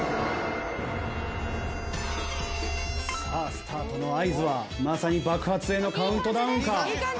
さあスタートの合図はまさに爆発へのカウントダウンか？